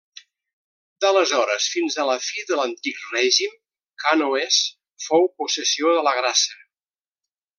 D'aleshores fins a la fi de l'Antic Règim, Cànoes fou possessió de la Grassa.